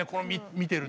見てると。